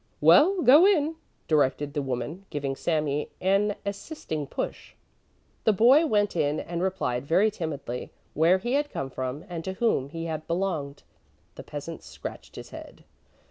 "Well, go in," directed the woman, giving Sami an assisting push. The boy went in and replied very timidly, where he had come from and to whom he had belonged. The peasant scratched his head.